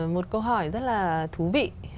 một câu hỏi rất là thú vị